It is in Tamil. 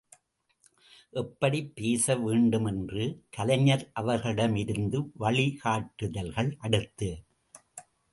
எப்படிப் பேச வேண்டும் என்று கலைஞர் அவர்களிடமிருந்து வழிகாட்டுதல்கள் அடுத்து!